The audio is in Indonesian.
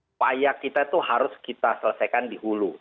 upaya kita itu harus kita selesaikan dihulu